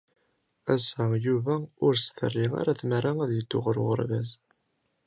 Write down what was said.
Ass-a, Yuba ur t-terri ara tmara ad yeddu ɣer uɣerbaz.